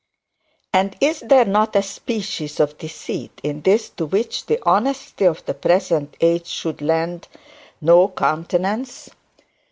And is there not a species of deceit in this to which the honesty of the present age should lend no countenance?